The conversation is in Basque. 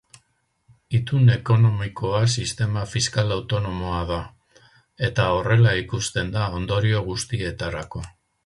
Itun ekonomikoa sistema fiskal autonomoa da, eta horrela ikusten da ondorio guztietarako.